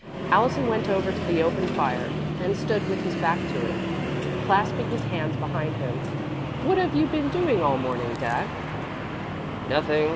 Allison went over to the open fire and stood with his back to it, clasping his hands behind him. "What have you been doing all the morning, Dad?" "Nothing.